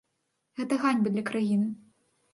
Гэта ганьба для краіны.